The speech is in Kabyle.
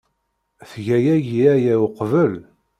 Tga yagi aya uqbel.